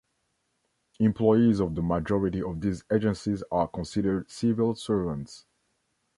Employees of the majority of these agencies are considered civil servants.